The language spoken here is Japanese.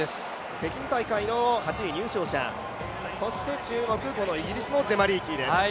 北京大会の８位入賞者、そして注目、このイギリスのジェマ・リーキーです。